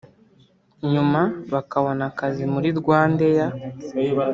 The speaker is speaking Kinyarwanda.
nyuma bakabona akazi muri RwandAir